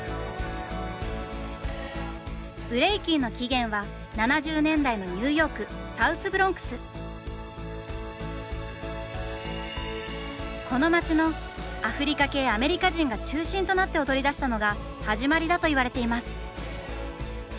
ブレイキンの起源は７０年代のこの街のアフリカ系アメリカ人が中心となって踊りだしたのが始まりだと言われています。